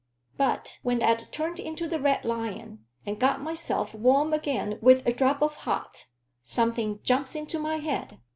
But when I'd turned into the Red Lion, and got myself warm again wi' a drop o' hot, something jumps into my head.